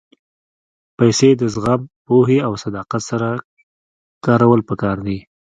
پېسې د زغم، پوهې او صداقت سره کارول پکار دي.